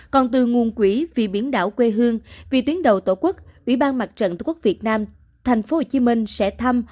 còn từ nguồn quỹ vì biển đảo quê hương vì tuyến đầu tổ quốc ủy ban mặt trận tổ quốc việt nam thành phố hồ chí minh sẽ thăm